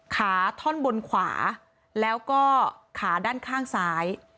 ขาท่อนบนขวาแล้วก็ขาด้านข้างซ้าย